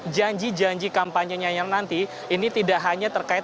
janji janji kampanye nya yang nanti ini tidak hanya terkait